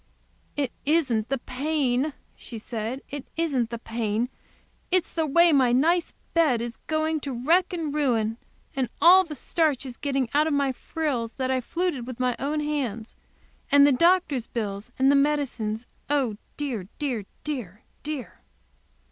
"It isn't the pain," she said, "it isn't the pain. It's the way my nice bed is going to wreck and ruin, and the starch all getting out of my frills that I fluted with my own hands. And the doctor's bill, and the medicines; oh, dear, dear, dear!"